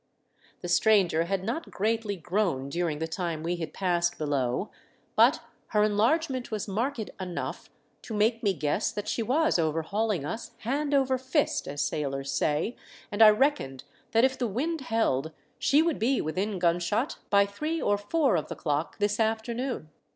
The stranger had not greatly grown during the time we had passed below, but her enlarge ment was marked enough to make me guess that she was overhaulino: us "hand over fist," as sailors say, and I reckoned that if the wind held she would be within gunshot by three or four of the clock this afternoon.